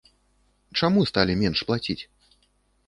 Чаму сталі менш плаціць?